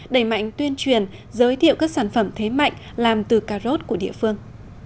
đẩy mạnh tuyên truyền giới thiệu các sản phẩm thế mạnh làm từ cà rốt của địa phương